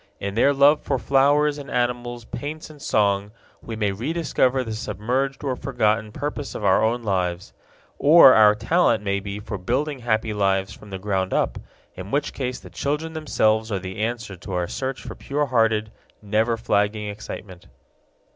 In their love for flowers and animals, paints and song, we may rediscover the submerged or forgotten purpose of our own lives. Or our talent may be for building happy lives from the ground up, in which case the children themselves are the answer to our search for pure hearted, never flagging excitement.